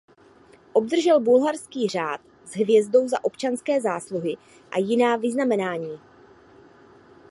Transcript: Obdržel bulharský Řád s hvězdou za občanské zásluhy a jiná vyznamenání.